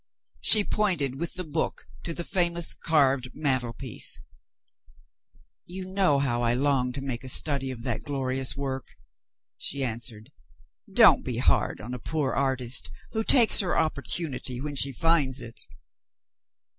She pointed with the book to the famous carved mantelpiece. "You know how I longed to make a study of that glorious work," she answered. "Don't be hard on a poor artist who takes her opportunity when she finds it."